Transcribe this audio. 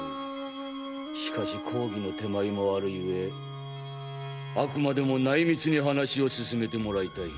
しかし公儀の手前もある故あくまでも内密に話を進めてもらいたい。